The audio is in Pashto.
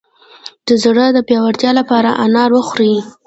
د زړه د پیاوړتیا لپاره انار وخورئ